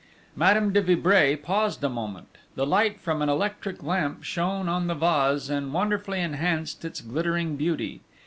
Madame de Vibray paused a moment: the light from an electric lamp shone on the vase and wonderfully enhanced its glittering beauty.